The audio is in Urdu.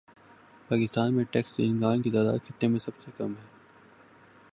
پاکستان میں ٹیکس دہندگان کی تعداد خطے میں سب سے کم